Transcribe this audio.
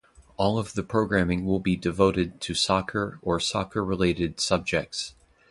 All of the programming will be devoted to soccer or soccer-related subjects.